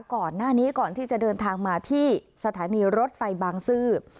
ก่อนหน้านี้ก่อนที่จะเดินทางมาที่สถานีรถไฟบางซื่อ